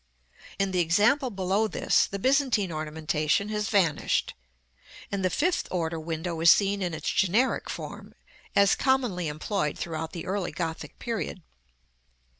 In the example below this the Byzantine ornamentation has vanished, and the fifth order window is seen in its generic form, as commonly employed throughout the early Gothic period.